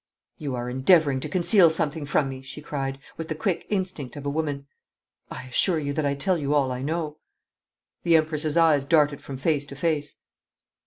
'You are endeavouring to conceal something from me,' she cried, with the quick instinct of a woman. 'I assure you that I tell you all I know.' The Empress's eyes darted from face to face.